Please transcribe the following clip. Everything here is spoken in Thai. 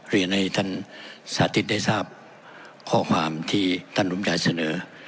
เรียนให้ท่านสาธิตได้ทราบข้อความที่ท่านสมชายเสนอ